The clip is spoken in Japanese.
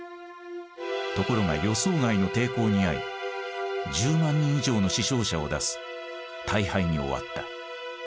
ところが予想外の抵抗に遭い１０万人以上の死傷者を出す大敗に終わった。